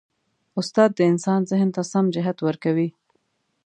استاد د انسان ذهن ته سم جهت ورکوي.